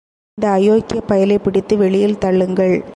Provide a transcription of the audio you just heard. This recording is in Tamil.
இந்த அயோக்கியப் பயலைப் பிடித்து வெளியில் தள்ளுங்கள்.